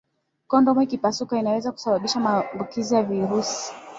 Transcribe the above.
kondomu ikipasuka inaweza kusababisha maambukizi ya virusi